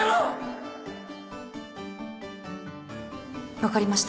分かりました。